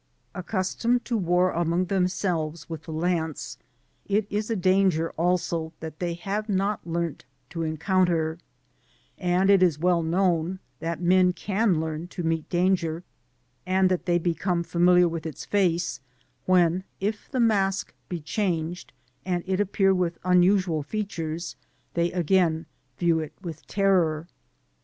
Accustomed to war among themsdves with the lance, it is a danger also that they have not been taught to encounter ; for it is well known that meft can learn to meet danger, and that they become fami^ liar with its face, when, if the mask be changed, and it appear with unusual features, they again view it with tarror.